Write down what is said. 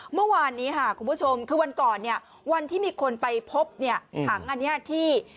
เมื่อวานนี้ค่ะคุณผู้ชมคือวันก่อนเนี่ยวันที่มีคนไปพบเนี่ยถังอันนี้ที่